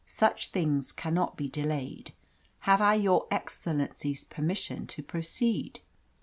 Such things cannot be delayed. Have I your excellency's permission to proceed?"